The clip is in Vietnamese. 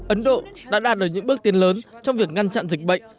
ấn độ đã đạt được những bước tiến lớn trong việc ngăn chặn dịch bệnh